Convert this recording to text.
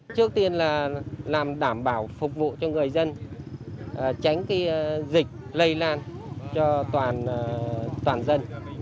trước tiên là làm đảm bảo phục vụ cho người dân tránh dịch lây lan cho toàn dân